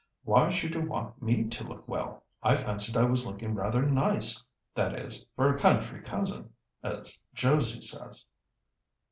"Why should you want me to look well? I fancied I was looking rather nice—that is, for a country cousin, as Josie says."